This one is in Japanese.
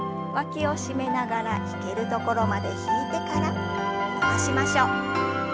わきを締めながら引けるところまで引いてから伸ばしましょう。